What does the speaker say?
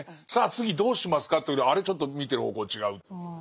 次どうしますかというとあれちょっと見てる方向違う。